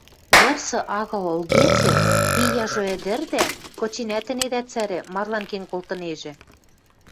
Вырсы агыл ылгецӹ, ти яжо ӹдӹрдӓ, кыченӓт ӹнедӓ цӓрӹ, марлан кен колтынежӹ...